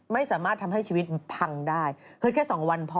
ไม่สามารถทำให้ชีวิตพังได้เฮ้ยแค่สองวันพอ